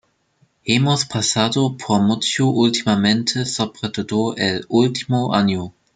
Hemos pasado por mucho últimamente, sobre todo el último año.